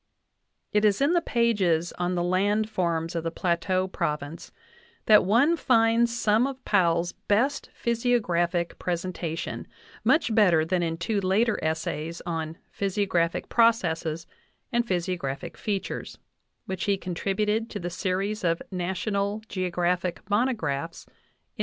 It is in the pages on the land forms of the Plateau province that one finds some of Powell's best physiographic presenta tion, much better than in two later essays on "Physiographic Processes" and "Physiographic Features," which he contributed to the series of "National Geographic Monographs" in 1895.